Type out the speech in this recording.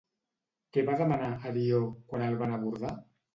Què va demanar, Arió, quan el van abordar?